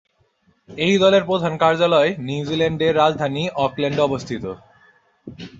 এই দলের প্রধান কার্যালয় নিউজিল্যান্ডের রাজধানী অকল্যান্ডে অবস্থিত।